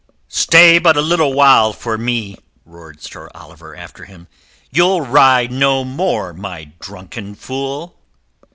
"Stay but a little while for me," roared Sir Oliver after him. "You'll ride no more, my drunken fool!"